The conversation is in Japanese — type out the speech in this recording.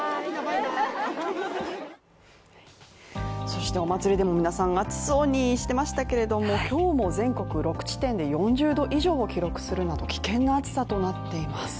そしてお祭りでも皆さん、暑そうにしていましたけれども、今日も全国６地点で４０度以上を記録するなど危険な暑さとなっています。